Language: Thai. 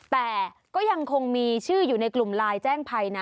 แต่ก็ยังคงมีชื่ออยู่ในกลุ่มไลน์แจ้งภัยนะ